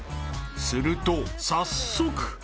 ［すると早速］